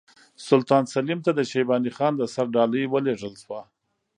سلطان سلیم ته د شیباني خان د سر ډالۍ ولېږل شوه.